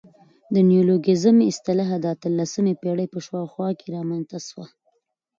د نیولوګیزم اصطلاح د اتلسمي پېړۍ په شاوخوا کښي رامنځ ته سوه.